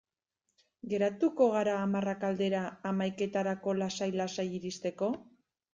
Geratuko gara hamarrak aldera, hamaiketarako lasai-lasai iristeko?